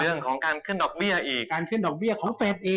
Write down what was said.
เรื่องของการขึ้นดอกเบี้ยอีกการขึ้นดอกเบี้ยขอเฟสอีก